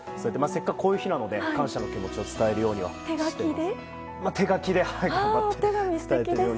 せっかく、こういう日なので感謝の気持ちを伝えるようにしています。